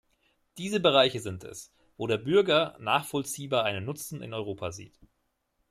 Diese Bereiche sind es, wo der Bürger nachvollziehbar einen Nutzen in Europa sieht.